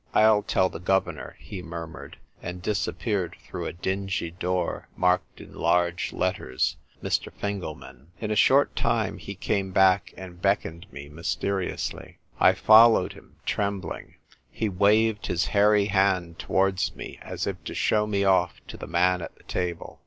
"I'll tell the governor," he mur mured, and disappeared through a dingy door marked in large letters "Mr. Fingelman." In a short time he came back and beckoned me mysteriously. I followed him, trembling. He waved his hairy hand to wards me as if to show me off to the man at the table.